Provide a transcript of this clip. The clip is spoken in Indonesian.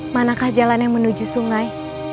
manakah jalan yang menuju sungai